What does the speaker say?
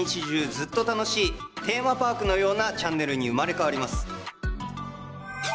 ずっと楽しいテーマパークのようなチャンネルに生まれ変わります。